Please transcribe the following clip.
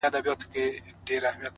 په ورځ کي سل ځلي ځارېدله!